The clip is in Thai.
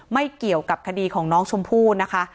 ไม่เกี่ยวกับคดีของน้องชมพู่นะคะ